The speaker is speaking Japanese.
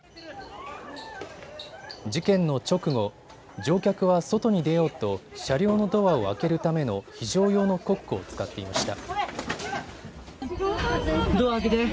事件の直後、乗客は外に出ようと車両のドアを開けるための非常用のコックを使っていました。